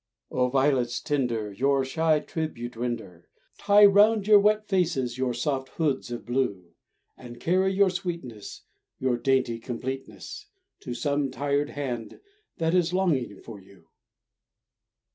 O violets tender, Your shy tribute render! Tie round your wet faces your soft hoods of blue; And carry your sweetness, Your dainty completeness, To some tired hand that is longing for you.